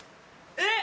えっ！